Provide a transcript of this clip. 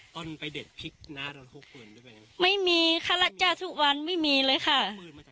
ตอนไปเด็ดพลิกหน้าไม่มีทุกวันไม่มีเลยค่ะ